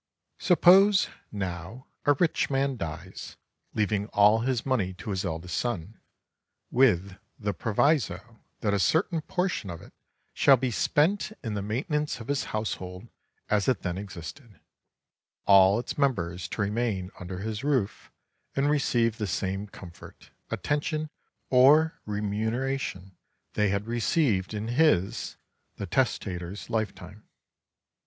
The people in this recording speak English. Suppose, now, a rich man dies, leaving all his money to his eldest son, with the proviso that a certain portion of it shall be spent in the maintenance of his household as it then existed, all its members to remain under his roof, and receive the same comfort, attention, or remuneration they had received in his (the testator's) lifetime.